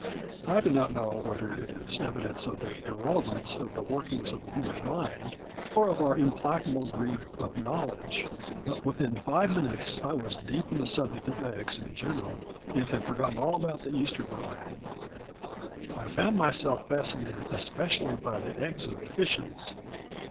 I do not know whether it is evidence of the irrelevance of the workings of the human mind or of our implacable greed of knowledge, but within five minutes I was deep in the subject of eggs in general, and had forgotten all about the Easter variety. I found myself fascinated especially by the eggs of fishes.